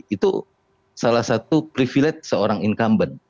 itu salah satu privilege seorang incumbent